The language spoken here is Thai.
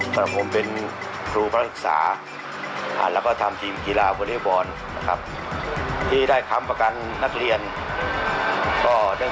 สนุนโดยสายการบินไทยสมายเพราะทุกการเดินทางของคุณจะมีแต่รอยยิ้ม